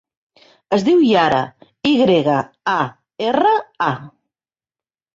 Es diu Yara: i grega, a, erra, a.